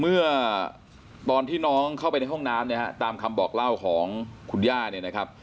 เมื่อตอนที่น้องเข้าไปในห้องน้ำเนี่ยฮะตามคำบอกเล่าของคุณย่าเนี่ยนะครับ